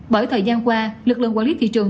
bởi thời gian qua lực lượng quản lý thị trường